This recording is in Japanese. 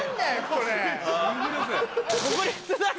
これ。